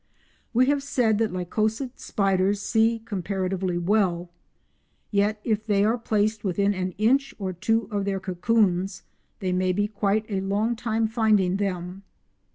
We have said that Lycosid spiders see comparatively well; yet, if they are placed within an inch or two of their cocoons they may be quite a long time finding them.